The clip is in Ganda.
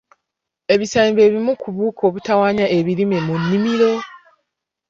Obusaanyi bwe bumu ku buwuka obutawaanya ebirime mu nnimiro.